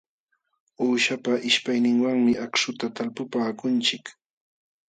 Uushapa ismayninwanmi akśhuta talpupaakunchik.